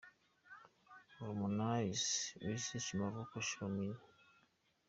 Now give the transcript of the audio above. Harmonize X Rich Mavoko - Show Med.